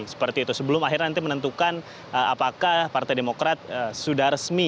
seperti itu sebelum akhirnya nanti menentukan apakah partai demokrat sudah resmi